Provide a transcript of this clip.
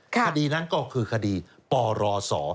คดีนั้นก็คือคดีปรศ